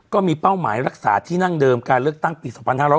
ก็มีเป้าหมายรักษาที่นั่งเดิมการเลือกตั้งปี๒๕๖๐